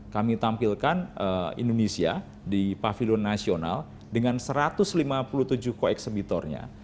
kami tampilkan indonesia di pavilion nasional dengan satu ratus lima puluh tujuh koeksibitornya